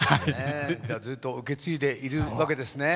ずっと受け継いでいるわけですね。